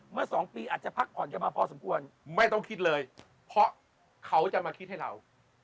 สองปีอาจจะพักผ่อนกันมาพอสมควรไม่ต้องคิดเลยเพราะเขาจะมาคิดให้เรา